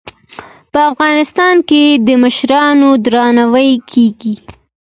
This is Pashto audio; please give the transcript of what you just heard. په افغانستان کې د مشرانو درناوی کیږي.